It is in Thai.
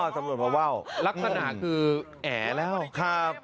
อ๋อตำรวจมาว่าว